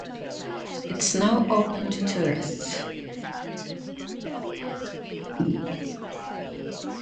It is now open to tourists.